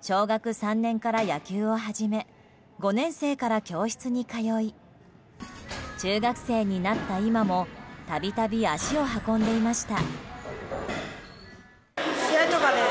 小学３年から野球を始め５年生から教室に通い中学生になった今も度々、足を運んでいました。